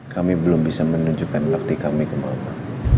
kami belum bisa menunjukkan waktu kami ke mama